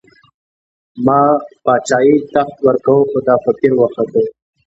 ما باچايي، تخت ورکوو، خو دا فقير وختو